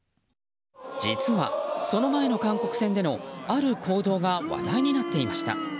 実は、その前の韓国戦でのある行動が話題になっていました。